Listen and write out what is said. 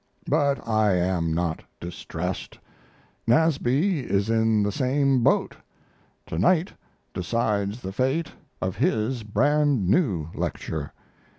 But I am not distressed. Nasby is in the same boat. Tonight decides the fate of his brand new lecture.